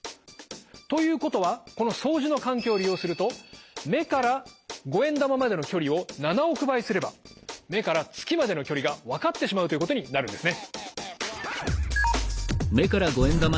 ということはこの相似の関係を利用すると目から５円玉までの距離を７億倍すれば目から月までの距離が分かってしまうということになるんですね！